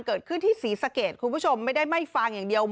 เกิดขึ้นที่ศรีสะเกดคุณผู้ชมไม่ได้ไม่ฟังอย่างเดียว